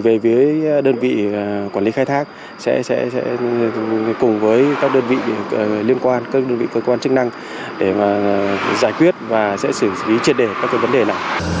với đơn vị quản lý khai thác sẽ cùng với các đơn vị liên quan các đơn vị cơ quan chức năng để giải quyết và sẽ xử lý triệt để các vấn đề này